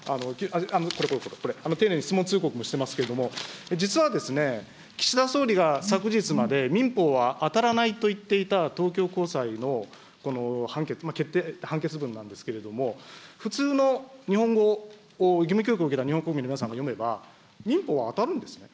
これこれこれ、丁寧に質問通告もしておりますけれども、実は岸田総理が昨日まで、民法は当たらないと言っていた東京高裁の判決、決定、判決文なんですけれども、普通の日本の義務教育を受けた日本国民の皆さんが読めば、民法は当たるですね。